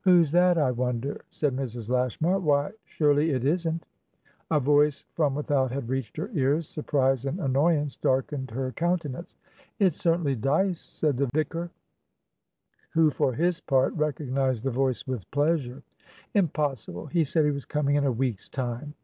"Who's that, I wonder?" said Mrs. Lashmar. "Whysurely it isn't?" A voice from without had reached her ears; surprise and annoyance darkened her countenance. "It's certainly Dyce," said the vicar, who for his part, recognized the voice with pleasure. "Impossible! He said he was coming in a week's time."